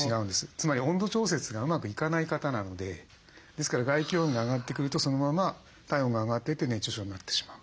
つまり温度調節がうまくいかない方なのでですから外気温が上がってくるとそのまま体温が上がってって熱中症になってしまう。